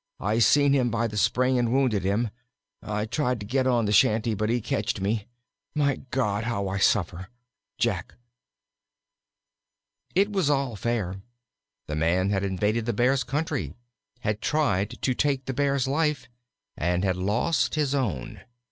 I seen him by the spring and wounded him. I tried to git on the shanty, but he ketched me. My God, how I suffer! JACK. It was all fair. The man had invaded the Bear's country, had tried to take the Bear's life, and had lost his own.